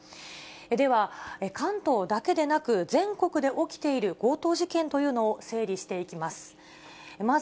では、関東だけでなく全国で起きている強盗事件というのを整理していきます。